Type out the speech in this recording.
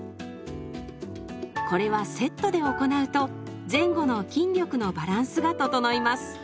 これはセットで行うと前後の筋力のバランスが整います。